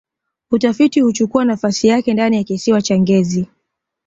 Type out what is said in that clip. utafiti huchukua nafasi yake ndani ya kisiwa cha ngezi